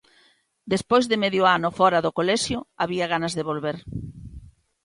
Despois de medio ano fóra do colexio, había ganas de volver.